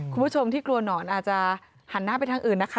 คุณผู้ชมที่กลัวหนอนอาจจะหันหน้าไปทางอื่นนะคะ